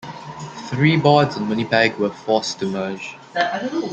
Three boards in Winnipeg were forced to merge.